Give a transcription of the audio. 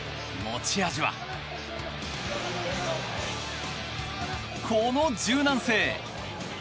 持ち味はこの柔軟性。